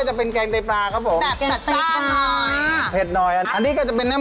น้าไอ้พ่อมีทุกภาพเลยนะ